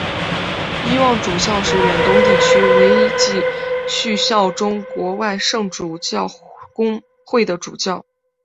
伊望主教是远东地区唯一继续效忠国外圣主教公会的主教。